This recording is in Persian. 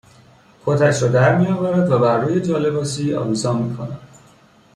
کتش را درمیآورد و بر روی جالباسی آویزان میکند